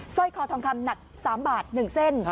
ร้อยคอทองคำหนัก๓บาท๑เส้น